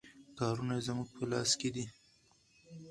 کارونه یې زموږ په لاس کې دي.